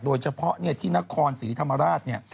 โดยเฉพาะที่นครศรีธรรมราชเนี่ย